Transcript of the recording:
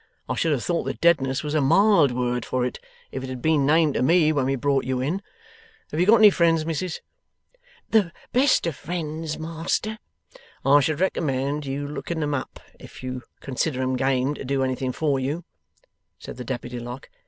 'I should have thought the deadness was a mild word for it, if it had been named to me when we brought you in. Have you got any friends, Missis?' 'The best of friends, Master.' 'I should recommend your looking 'em up if you consider 'em game to do anything for you,' said the Deputy Lock.